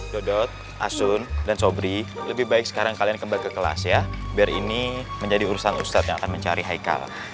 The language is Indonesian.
dodot asun dan sobri lebih baik sekarang kalian kembali ke kelas ya biar ini menjadi urusan ustadz yang akan mencari haikal